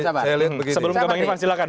sebelum kebanginan silakan